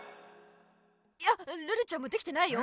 いやルルちゃんもできてないよ。